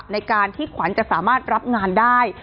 ในการที่ขวัญจะสามารถรับงานได้